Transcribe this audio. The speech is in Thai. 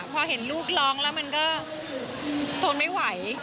พอเห็นลูกร้องแล้วมันก็ทนไม่ไหว